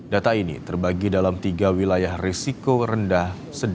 data ini terbagi dalam tiga wilayah risiko rendah